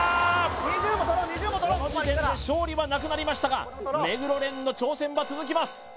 ２０もとろう２０もとろうこの時点で勝利はなくなりましたが目黒蓮の挑戦は続きます